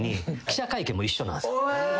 記者会見も一緒なんすよ。